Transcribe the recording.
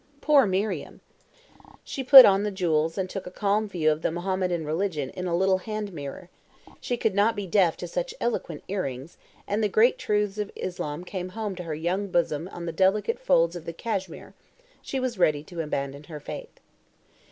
Poor Mariam! she put on the jewels and took a calm view of the Mahometan religion in a little hand mirror; she could not be deaf to such eloquent earrings, and the great truths of Islam came home to her young bosom in the delicate folds of the cashmere; she was ready to abandon her faith.